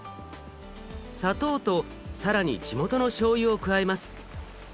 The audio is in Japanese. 砂糖と更に地元のしょうゆを加えます。